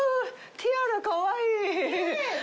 ティアラ、かわいい。